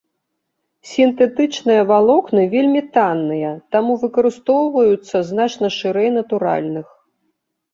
Сінтэтычныя валокны вельмі танныя, таму выкарыстоўваюцца значна шырэй натуральных.